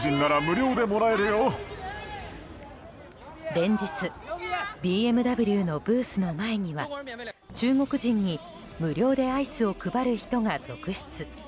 連日、ＢＭＷのブースの前には中国人に無料でアイスを配る人が続出。